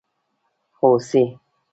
🦌 هوسي